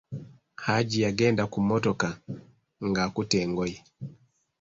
Hajji yagenda ku mmotoka, ng'akutte engoye.